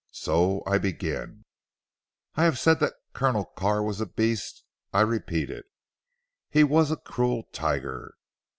So I begin: " "I have said that Colonel Carr was a beast. I repeat 'it. He was a cruel tiger.